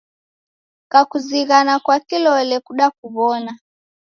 Kakuzighana kwa kilole kudakuw'ona